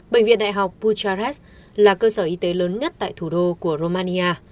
bệnh viện đại học puterres là cơ sở y tế lớn nhất tại thủ đô của romania